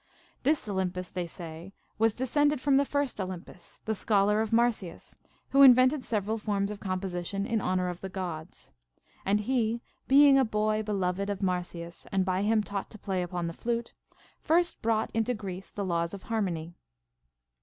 This Olympus, they say, was descended from the first Olympus, the scholar of Mar syas, who invented several forms of composition in honor of the Gods ; and he, being a boy beloved of Marsyas, and by him taught to play upon the flute, first brought into Greece the laws of harmony.